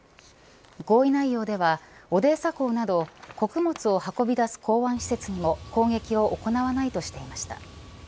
合意内容ではオデーサ港など穀物を運び出す港湾施設にも攻撃を行わないとしていました。